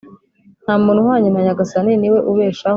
nta muntu uhwanye na nyagasani, ni we ubeshaho.